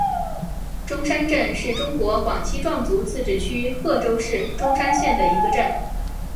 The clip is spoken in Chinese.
钟山镇是中国广西壮族自治区贺州市钟山县的一个镇。